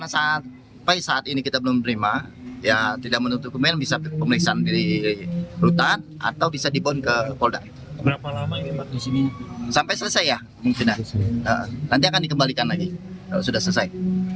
sampai selesai ya mungkin nanti akan dikembalikan lagi kalau sudah selesai